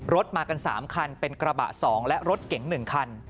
รถมากัน๓คันเป็นกระบะ๒และรถเก๋ง๑คัน